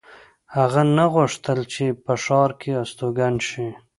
هغه نه غوښتل چې په ښار کې استوګن شي